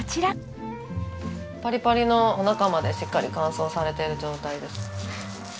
パリパリの中までしっかり乾燥されてる状態です。